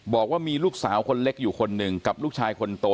บอกว่ามีลูกสาวคนเล็กอยู่คนหนึ่งกับลูกชายคนโต